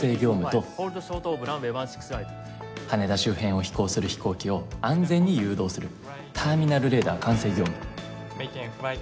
羽田周辺を飛行する飛行機を安全に誘導するターミナルレーダー管制業務。